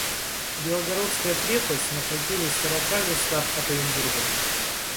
Белогорская крепость находилась в сорока верстах от Оренбурга.